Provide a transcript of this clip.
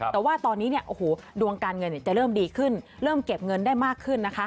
แต่ว่าตอนนี้ดวงการเงินจะเริ่มดีขึ้นเริ่มเก็บเงินได้มากขึ้นนะคะ